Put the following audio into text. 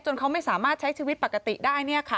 เขาไม่สามารถใช้ชีวิตปกติได้